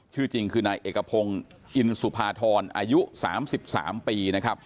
ชื่อจริงคือนายเอกพงศ์อินสุภาธรอายุ๓๓ปีนะครับ